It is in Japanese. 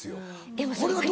でもそれ。